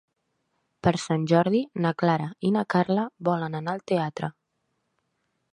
Per Sant Jordi na Clara i na Carla volen anar al teatre.